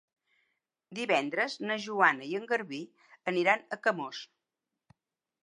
Divendres na Joana i en Garbí aniran a Camós.